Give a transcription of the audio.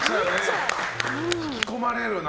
引き込まれるな。